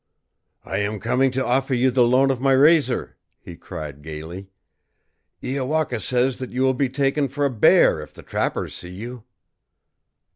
"I am coming to offer you the loan of my razor," he cried gaily. "Iowaka says that you will be taken for a bear if the trappers see you."